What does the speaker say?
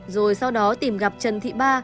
rồi sau đó tìm gặp trần thị ba